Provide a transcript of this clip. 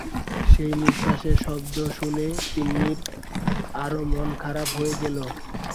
সেই নিঃশ্বাসের শব্দ শুনে তিন্নির আরো মন-খারাপ হয়ে গেল।